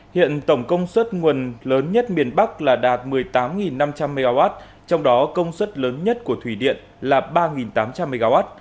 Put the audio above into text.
hiện tổng công suất nguồn lớn nhất miền bắc là đạt một mươi tám năm trăm linh mw trong đó công suất lớn nhất của thủy điện là ba tám trăm linh mw